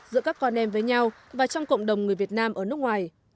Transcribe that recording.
giữa các con em với nhau và trong cộng đồng người việt nam ở nước ngoài